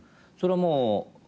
それはもう。